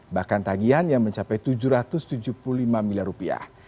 bahkan tagihannya mencapai tujuh ratus tujuh puluh lima miliar rupiah